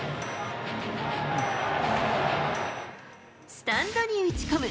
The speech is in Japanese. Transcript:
スタンドに打ち込む。